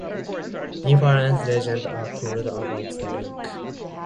Different legends are told about the lake.